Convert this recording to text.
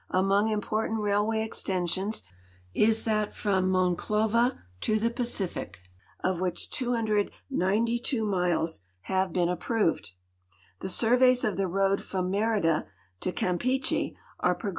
Among impor tant railway extensions is tliat from Monclova to the Pacific, of which 292 miles have been approved. The surveys of the road from Merida to Campeche are progre.